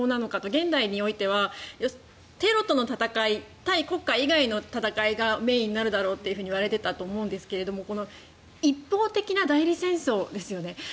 現代のおいてはテロとの戦い対国家以外の戦いがメインになるだろうと言われていたと思うんですが一方的な代理戦争ですよね。